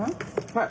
はい。